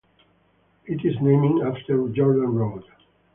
It is named after Jordan Road.